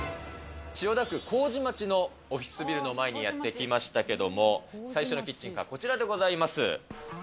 千代田区麹町のオフィスビルの前にやって来ましたけれども、最初のキッチンがこちらでございます。